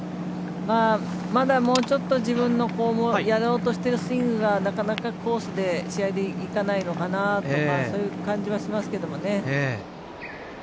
まだもうちょっと自分のやろうとしているスイングがなかなかコースで試合でいかないのかなとそういう感じがするんですけどね。